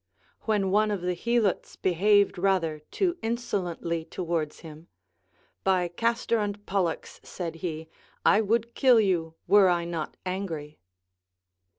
When one of the Helots behaved rather too insolently towards him. By Castor and Polhix, said he, I would kill you, were I not angry.